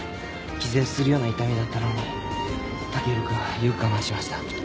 気絶するような痛みだったろうに剛洋君はよく我慢しました。